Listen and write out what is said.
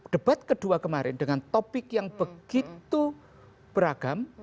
debat kedua kemarin dengan topik yang begitu beragam